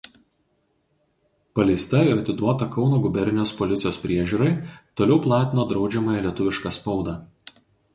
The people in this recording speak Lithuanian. Paleista ir atiduota Kauno gubernijos policijos priežiūrai toliau platino draudžiamąją lietuvišką spaudą.